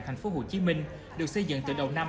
thành phố hồ chí minh được xây dựng từ đầu năm